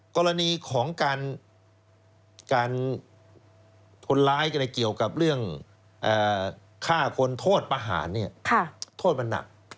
กรณีของการคนร้ายอะไรเกี่ยวกับเรื่องฆ่าคนโทษประหารโทษมันหนัก